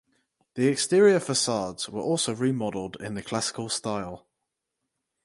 The exterior facades were also remodelled in the classical style.